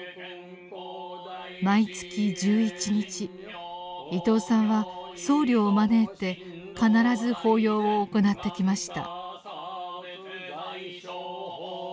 毎月１１日伊東さんは僧侶を招いて必ず法要を行ってきました。